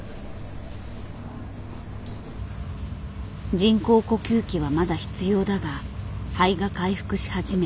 人工呼吸器はまだ必要だが肺が回復し始め